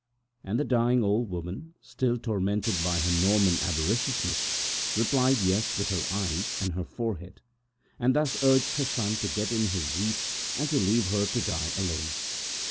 And the dying woman, still possessed by her Norman avariciousness, replied YES with her eyes and her forehead, and so urged her son to get in his wheat, and to leave her to die alone.